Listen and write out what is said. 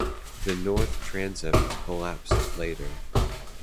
The north transept collapsed later.